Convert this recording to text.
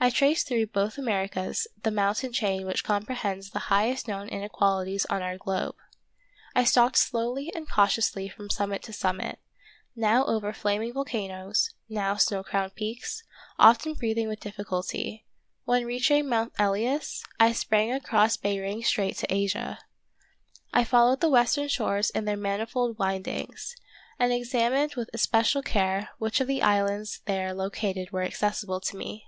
I traced through both Americas the mountain* 104 Wonderful History chain which comprehends the highest known inequalities on our globe. I stalked slowly and cautiously from summit to summit, now over flam ing volcanoes, now snow crowned peaks, often breathing with difflculty ; when reaching Mount Elias, I sprang across Behring Strait to Asia. I followed the western shores in their manifold windings, and examined with especial care which of the islands there located were accessible to me.